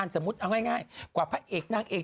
ช่วยกว่าภาคเอกนักเอก